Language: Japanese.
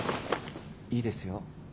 いいですよ。